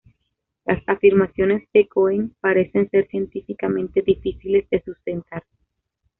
Las afirmaciones de Cohen parecen ser científicamente difíciles de sustentar.